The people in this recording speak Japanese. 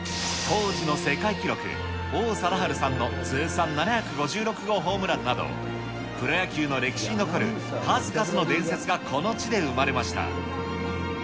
当時の世界記録、王貞治さんの通算７５６号ホームランなど、プロ野球の歴史に残る数々の伝説がこの地で生まれました。